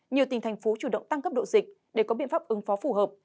nhiều tỉnh thành phố chủ động tăng cấp độ dịch để có biện pháp ứng phó phù hợp